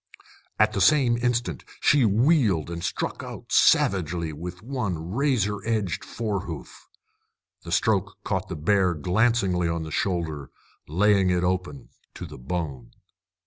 At the same instant she wheeled and struck out savagely with one razor edged fore hoof. The stroke caught the bear glancingly on the shoulder, laying it open to the bone.